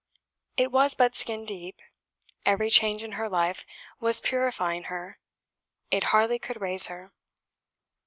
It was but skin deep. Every change in her life was purifying her; it hardly could raise her.